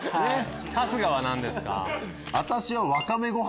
春日は何ですか？